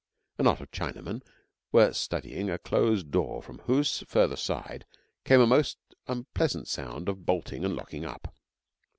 A knot of Chinamen were studying a closed door from whose further side came a most unpleasant sound of bolting and locking up.